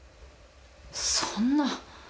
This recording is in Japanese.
そんな。